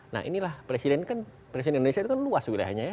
nah inilah presiden indonesia itu kan luas wilayahnya ya